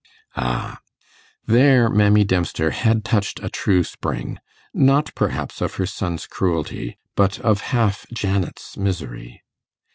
... Ah! there Mammy Dempster had touched a true spring, not perhaps of her son's cruelty, but of half Janet's misery.